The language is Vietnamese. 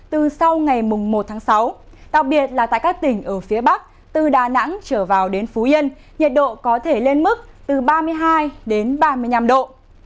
từ sau ngày một tháng sáu đặc biệt là tại các tỉnh ở phía bắc từ đà nẵng trở vào đến phú yên nhiệt độ có thể lên mức từ ba mươi hai đến ba mươi năm độ